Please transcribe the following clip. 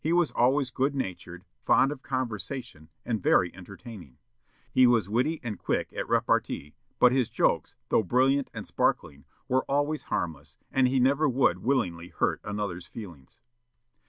He was always good natured, fond of conversation, and very entertaining. He was witty and quick at repartee, but his jokes, though brilliant and sparkling, were always harmless, and he never would willingly hurt another's feelings.